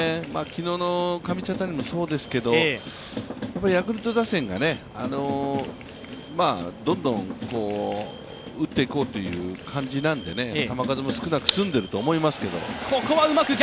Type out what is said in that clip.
昨日の上茶谷もそうですけど、ヤクルト打線がどんどん打っていこうという感じなんで球数も少なく済んでいると思いますけれども。